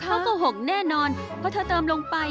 โกหกแน่นอนเพราะเธอเติมลงไป